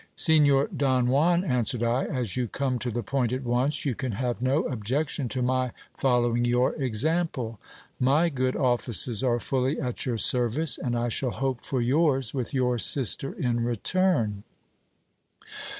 Signor Don Juan, answered I, as you come to the point at once, you can have no objection to my following your example : My good offices are fully at your service, and I shall hope for yours with your sister in return.